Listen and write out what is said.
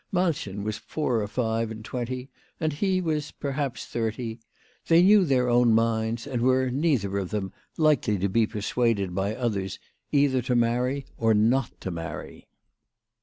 Malchen was four or five and twenty, and he was perhaps thirty. They knew their own minds, and were, neither of them, likely to be persuaded by others either to marry or not to marry.